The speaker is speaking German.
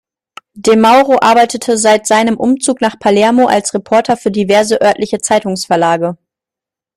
De Mauro arbeitete seit seinem Umzug nach Palermo als Reporter für diverse örtliche Zeitungsverlage.